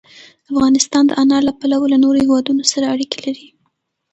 افغانستان د انار له پلوه له نورو هېوادونو سره اړیکې لري.